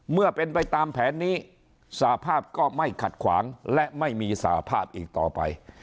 เมื่อเป็นไปตามแผนนี้สภาพก็ไม่ขัดขวางและไม่มีสาภาพอีกต่อไป